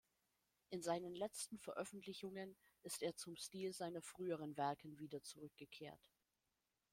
In seinen letzten Veröffentlichungen ist er zum Stil seiner früheren Werken wieder zurückgekehrt.